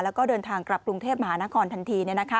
แล้วก็เดินทางกลับกรุงเทพมหานครทันที